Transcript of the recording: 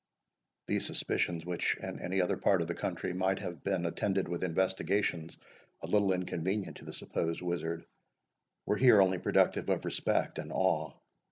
These suspicions, which, in any other part of the country, might have been attended with investigations a little inconvenient to the supposed wizard, were here only productive of respect and awe.